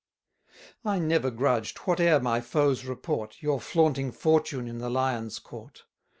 I never grudged, whate'er my foes report, Your flaunting fortune in the Lion's court.